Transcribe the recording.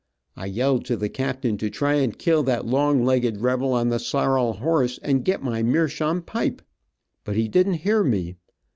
I yelled to the captain to try and kill that long legged rebel on the sorrel horse, and get my meershaum pipe, but he didn't hear me.